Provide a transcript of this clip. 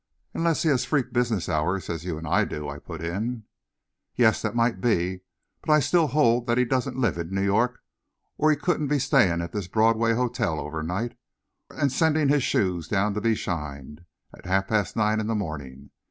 "Unless he has freak business hours, as you and I do," I put in. "Yes, that might be. But I still hold that he doesn't live in New York, or he couldn't be staying at this Broadway hotel overnight, and sending his shoes down to be shined at half past nine in the morning.